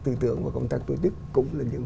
tư tưởng và công tác tổ chức cũng là những